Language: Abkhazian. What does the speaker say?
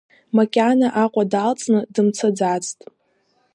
Макьана Аҟәа далҵны дымцаӡацт.